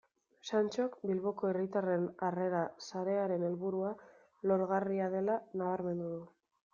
Santxok Bilboko Hiritarren Harrera Sarearen helburua lorgarria dela nabarmendu du.